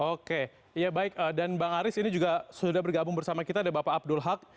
oke ya baik dan bang aris ini juga sudah bergabung bersama kita ada bapak abdul haq